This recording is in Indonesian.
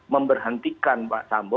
memberhentikan pak sambo